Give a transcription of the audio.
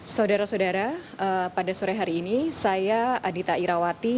saudara saudara pada sore hari ini saya adita irawati